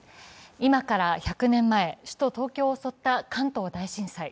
今から１００年前、首都・東京を襲った関東大震災。